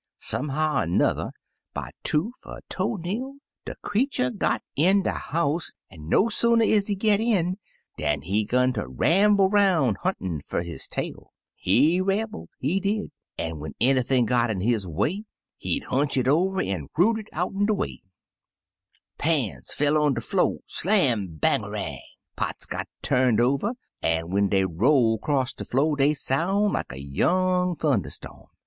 "Somehow er 'nother, by toof er toe nail, de creetur got in de house, an' no sooner is he git in dan he 'gun ter ramble 'roun' huntin' fer his tail. He rambled, he did, an' when anything got in his way, he'd hunch it over, an' root it out'n de way. 75 Uncle Remus Returns Pans fell on dc flo', — slam bang er rang! — pots got turned over, an* ^en dey roll 'cross de flo' dey soun' like a young thun derstorm.